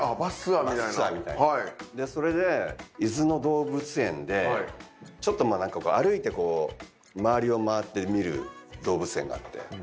それで伊豆の動物園でちょっと歩いて周りを回って見る動物園があって。